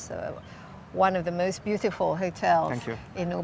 salah satu hotel yang paling indah